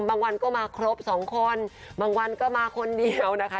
บางวันก็มาครบสองคนบางวันก็มาคนเดียวนะคะ